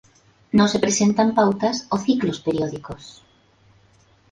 No se presentan pautas o ciclos periódicos.